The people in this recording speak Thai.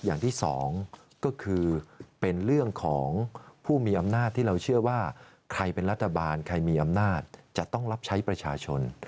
อย่างที่สองก็คือเป็นเรื่องของผู้มีอำนาจที่เราเชื่อว่าใครเป็นรัฐบาลใครมีอำนาจจะต้องรับใช้ประชาชน